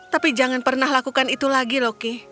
tapi jangan pernah lakukan itu lagi loki